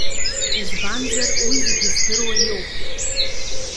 Избанзар, уи зегьы здыруа иоуп.